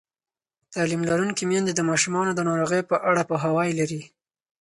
تعلیم لرونکې میندې د ماشومانو د ناروغۍ په اړه پوهاوی لري.